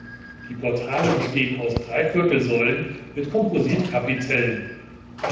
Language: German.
Die Portale bestehen aus Dreiviertelsäulen mit Kompositkapitellen.